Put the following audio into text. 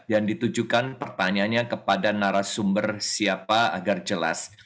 dan ditujukan pertanyaannya kepada narasumber siapa agar jelas